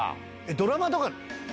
ドラマとか。